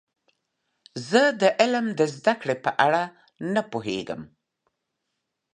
زه د علم د زده کړې په اړه نه پوهیږم.